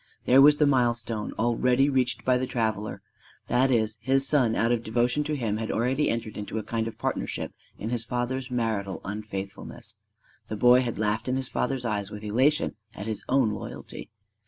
There was the milestone already reached by the traveller! That is, his son out of devotion to him had already entered into a kind of partnership in his father's marital unfaithfulness. The boy had laughed in his father's eyes with elation at his own loyalty.